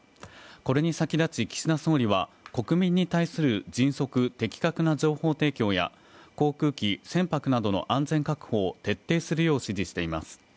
これに先立ち岸田総理は、国民に対する迅速・的確な情報提供や航空機、船舶などの安全確保を徹底するよう指示しています。